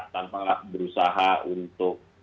tanpa berusaha untuk